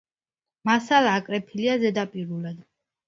მასალა აკრეფილია ზედაპირულად.